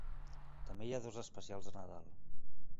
També hi ha dos especials de Nadal.